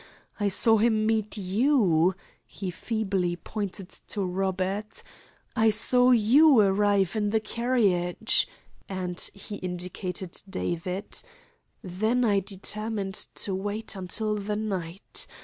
I saw him meet you" he feebly pointed to Robert. "I saw you arrive in the carriage," and he indicated David. "Then I determined to wait until the night.